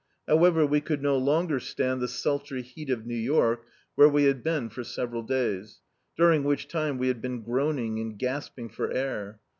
However we could no longer stand the sultry heat of New York, where we had been for several days, during which time we had been groaning and gasp* ing for air.